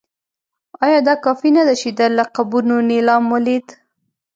ایا دا کافي نه ده چې د لقبونو نېلام ولید.